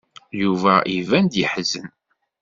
Yuba iban-d yeḥzen.